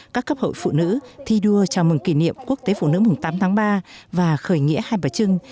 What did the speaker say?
các cấp hội phụ nữ thi đua chào mừng kỷ niệm quốc tế phụ nữ tám tháng ba và khởi nghĩa hai bà trưng